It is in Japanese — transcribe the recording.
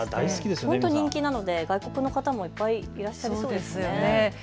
本当に人気なので外国の方もいっぱいいらっしゃいますよね。